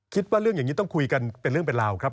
คิดว่าเรื่องอย่างนี้ต้องคุยกันเป็นเรื่องเป็นราวครับ